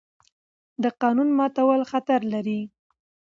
د قانون ماتول خطر لري